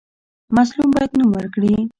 مظلوم باید نوم ورکړي.